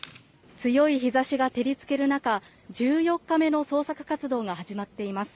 強い日差しが照りつける中１４日目の捜索活動が始まっています。